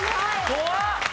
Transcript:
怖っ！